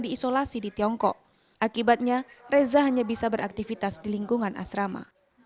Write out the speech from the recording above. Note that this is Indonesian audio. diisolasi di tiongkok akibatnya reza hanya bisa beraktivitas di lingkungan asrama